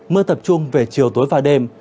mưa tập trung về chiều tối và đêm